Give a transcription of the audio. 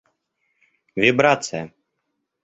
Вибрация